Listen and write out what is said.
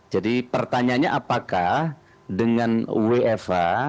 jadi pertanyaannya apakah dengan wfh